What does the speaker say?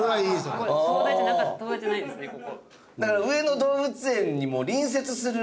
だから上野動物園に隣接する。